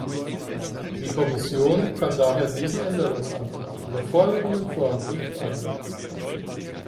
Die Kommission kann daher diesen Änderungsantrag in der vorliegenden Form nicht annehmen.